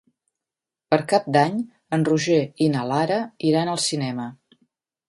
Per Cap d'Any en Roger i na Lara iran al cinema.